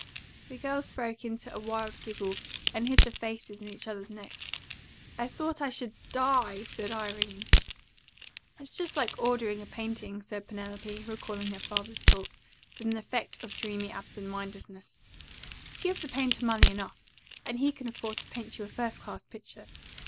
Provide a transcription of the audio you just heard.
The girls broke into a wild giggle, and hid their faces in each other's necks. "I thought I SHOULD die," said Irene. "'It's just like ordering a painting,'" said Penelope, recalling her father's talk, with an effect of dreamy absent mindedness. "'You give the painter money enough, and he can afford to paint you a first class picture.